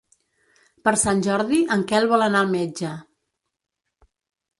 Per Sant Jordi en Quel vol anar al metge.